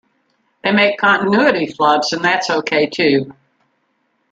They make continuity flubs, and that's ok too.